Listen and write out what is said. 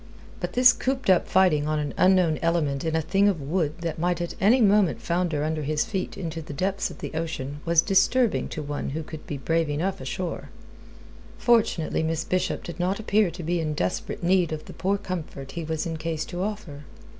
But this cooped up fighting on an unknown element in a thing of wood that might at any moment founder under his feet into the depths of ocean was disturbing to one who could be brave enough ashore. Fortunately Miss Bishop did not appear to be in desperate need of the poor comfort he was in case to offer.